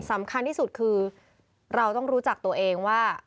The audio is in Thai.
สำคัญที่สุดคือเราต้องรู้จักตัวเองว่า